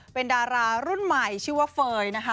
เป็นดารารุ่นใหม่ชื่อว่าเฟย์นะคะ